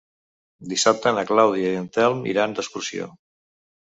Dissabte na Clàudia i en Telm iran d'excursió.